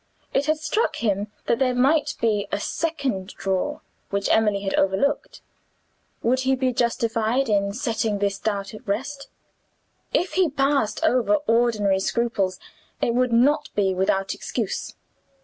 It had struck him that there might be a second drawer which Emily had overlooked. Would he be justified in setting this doubt at rest? If he passed over ordinary scruples it would not be without excuse.